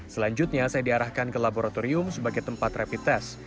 selanjutnya saya diarahkan ke laboratorium sebagai tempat rapid test